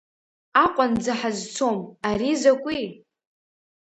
Аҟәанӡа ҳазцом, ари закәи?!